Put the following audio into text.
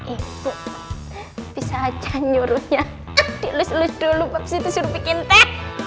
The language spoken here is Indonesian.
ibu bisa aja nyuruhnya diulis ulis dulu babis itu suruh bikin teh